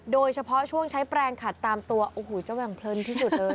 โดยเฉพาะช่วงใช้แปลงขัดตามตัวโอ้โหเจ้าแหว่งเพลินที่สุดเลย